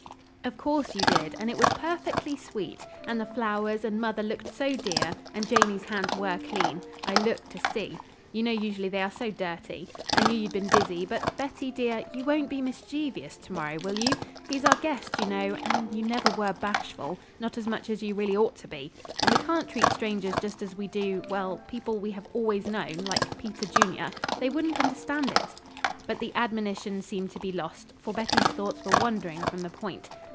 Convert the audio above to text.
"Of course you did, and it was perfectly sweet; and the flowers and mother looked so dear and Janey's hands were clean I looked to see. You know usually they are so dirty. I knew you'd been busy; but Betty, dear, you won't be mischievous to morrow, will you? He's our guest, you know, and you never were bashful, not as much as you really ought to be, and we can't treat strangers just as we do well people we have always known, like Peter Junior. They wouldn't understand it." But the admonition seemed to be lost, for Betty's thoughts were wandering from the point.